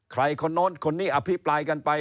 คนโน้นคนนี้อภิปรายกันไป